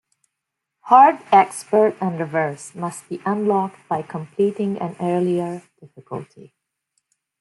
Hard, Expert, and Reverse must be unlocked by completing an earlier difficulty.